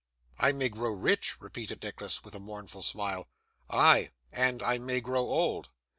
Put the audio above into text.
'I may grow rich!' repeated Nicholas, with a mournful smile, 'ay, and I may grow old!